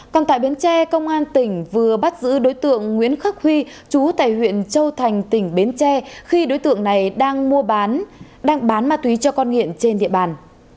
còn tại bến tre công an tỉnh vừa bắt giữ đối tượng nguyễn khắc huy chú tại huyện châu thành tỉnh bến tre khi đối tượng này đang mua bán đang bán ma túy cho con nghiện trên địa bàn